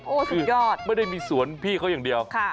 โอ้โหสุดยอดไม่ได้มีสวนพี่เขาอย่างเดียว